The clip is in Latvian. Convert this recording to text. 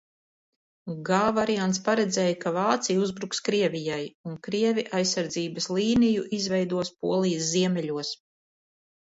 G variants paredzēja, ka Vācija uzbruks Krievijai, un krievi aizsardzības līniju izveidos Polijas ziemeļos.